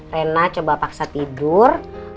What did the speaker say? rena coba paksa tidur